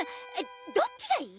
どっちがいい？